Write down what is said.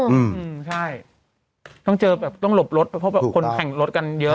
อืมใช่ต้องเจอแบบต้องหลบรถเพราะแบบคนแข่งรถกันเยอะ